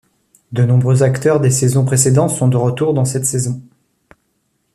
De nombreux acteurs des saisons précédentes sont de retour dans cette saison.